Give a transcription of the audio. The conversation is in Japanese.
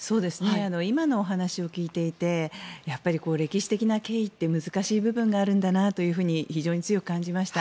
今のお話を聞いていてやっぱり歴史的な経緯って難しい部分があるんだなと非常に強く感じました。